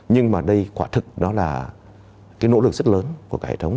nhưng mà đây quả thực đó là nỗ lực rất lớn của hệ thống